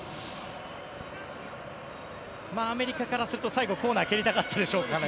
アメリカからすると最後コーナー蹴りたかったでしょうけどね。